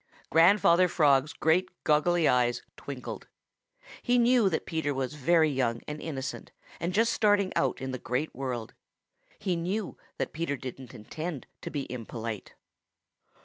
Grandfather Frog's great goggly eyes twinkled. He knew that Peter was very young and innocent and just starting out in the Great World. He knew that Peter didn't intend to be impolite.